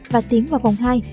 và tiến vào vòng hai